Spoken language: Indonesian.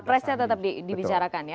capresnya tetap dibicarakan ya